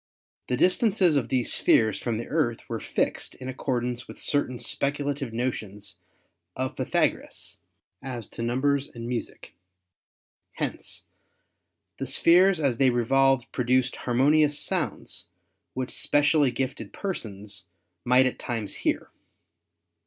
The distances of these spheres from the Earth were fixed in accordance with certain speculative notions of Pythagoras as to num bers and music; hence the spheres as they revolved pro duced harmonious sounds which specially gifted persons 67 68 ASTRONOMY might at times hear.